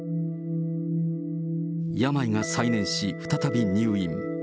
病が再燃し、再び入院。